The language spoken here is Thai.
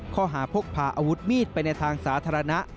ข้อหาพกพาอาวุธมีดไปในทางสาธารณะ